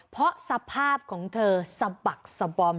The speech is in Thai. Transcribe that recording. เพราะสภาพของเธอสะบักสบอม